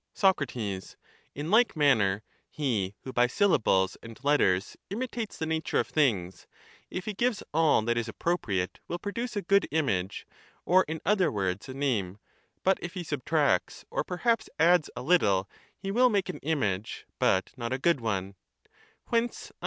Soc. In like manner, he who by syllables and letters imitates the nature of things, if he gives all that is appro priate will produce a good image, or in other words a name ; but if he subtracts or perhaps adds a little, he will make an image but not a good one ; whence I.